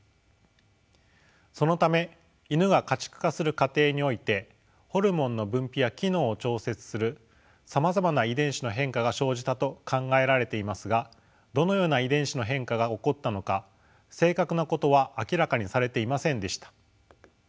そのためイヌが家畜化する過程においてホルモンの分泌や機能を調節するさまざまな遺伝子の変化が生じたと考えられていますがどのような遺伝子の変化が起こったのか正確なことは明らかにされていませんでした。